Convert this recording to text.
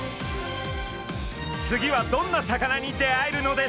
次はどんな魚に出会えるのでしょうか？